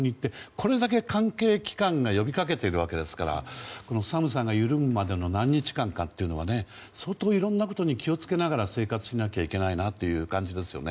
これだけ関係機関が呼びかけているわけですから寒さが緩むまでの何日間かは相当、いろんなことに気を付けながら生活をしなければいけないなという感じですよね。